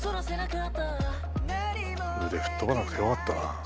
腕吹っ飛ばなくてよかったな。